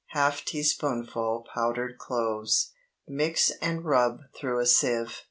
Half teaspoonful powdered cloves. Mix and rub through a sieve.